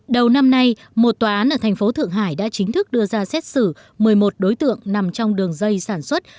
đầu năm nay một tòa án ở thành phố thượng hải đã chính thức đưa ra xét xử một mươi một đối tượng nằm trong đường dây sản xuất